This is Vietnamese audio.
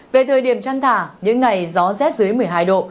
về thời điểm chăn thả những ngày gió rét dưới một mươi hai độ